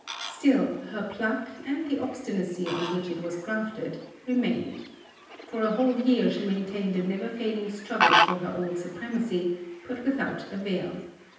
Still, her pluck, and the obstinacy on which it was grafted, remained. For a whole year she maintained a never failing struggle for her old supremacy, but without avail.